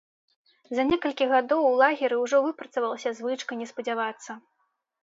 За некалькі гадоў у лагеры ўжо выпрацавалася звычка не спадзявацца.